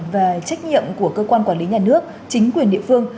và trách nhiệm của cơ quan quản lý nhà nước chính quyền địa phương